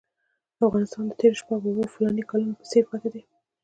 افغانستان د تېرو شپږو اوو فلاني کالو په څېر پاتې دی.